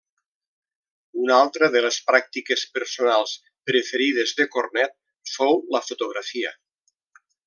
Una altra de les pràctiques personals preferides de Cornet fou la fotografia.